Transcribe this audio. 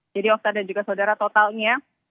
jadi osta dan juga saudara totalnya